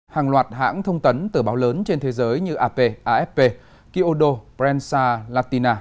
hàng loạt hãng thông tấn tờ báo lớn trên thế giới như ap afp kiodo prensa latina